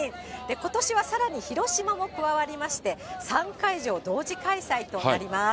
ことしはさらに広島も加わりまして、３会場同時開催となります。